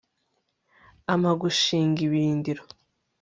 ampa gushinga ibirindiro